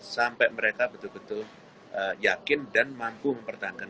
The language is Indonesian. sampai mereka betul betul yakin dan mampu mempertahankan